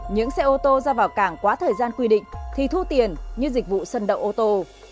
những xe ô tô ra vào cảng quá thời gian quy định thì thu tiền như dịch vụ sân đậu ô tô